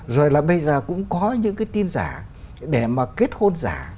rồi là bây giờ cũng có những cái tin giả để mà kết hôn giả